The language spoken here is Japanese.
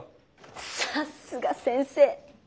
さっすが先生。